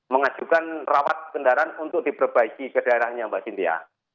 mengajukan rawat kendaraan untuk diperbaiki ke daerahnya mbak cynthia